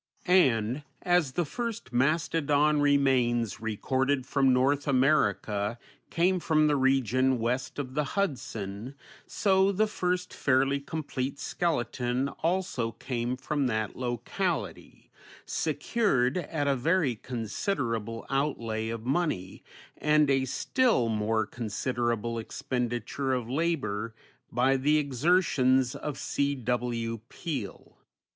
And as the first mastodon remains recorded from North America came from the region west of the Hudson, so the first fairly complete skeleton also came from that locality, secured at a very considerable outlay of money and a still more considerable expenditure of labor by the exertions of C. W. Peale.